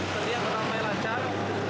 kemudian penampilan lancar